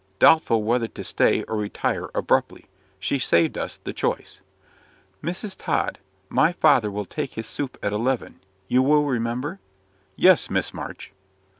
doubtful whether to stay or retire abruptly. She saved us the choice. "Mrs. Tod, my father will take his soup at eleven. You will remember?" "Yes, Miss March."